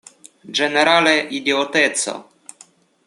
Ĝenerale, idioteco!